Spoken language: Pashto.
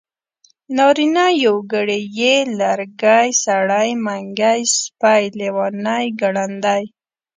نارينه يوګړی ی لرګی سړی منګی سپی لېوانی ګړندی